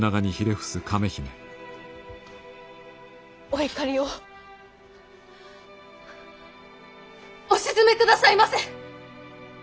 お怒りをお静めくださいませ！